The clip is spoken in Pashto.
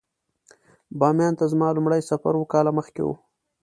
باميان ته زما لومړی سفر اووه کاله مخکې و.